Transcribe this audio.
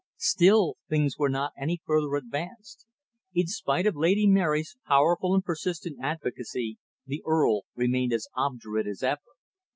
Still, things were not any further advanced. In spite of Lady Mary's powerful and persistent advocacy, the Earl remained as obdurate as ever.